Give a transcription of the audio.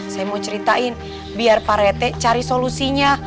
saya mau ceritain biar pak rete cari solusinya